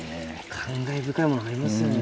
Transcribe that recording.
感慨深いものがありますよね